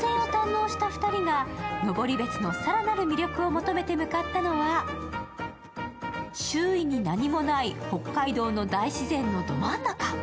温泉を堪能した２人が登別の更なる魅力を桃止めて向かったのは、周囲に何もない北海道の大自然のど真ん中。